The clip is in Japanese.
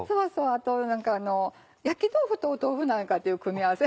あと焼き豆腐と豆腐なんかっていう組み合わせ。